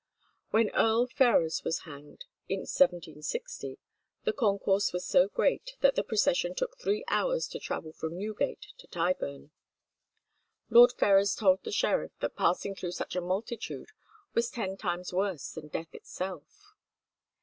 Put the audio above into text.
When Earl Ferrers was hanged in 1760 the concourse was so great that the procession took three hours to travel from Newgate to Tyburn. Lord Ferrers told the sheriff that passing through such a multitude was ten times worse than death itself.